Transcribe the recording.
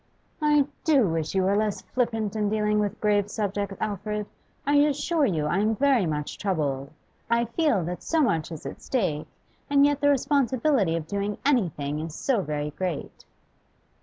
'I do wish you were less flippant in dealing with grave subjects, Alfred. I assure you I am very much troubled. I feel that so much is at stake, and yet the responsibility of doing anything is so very great.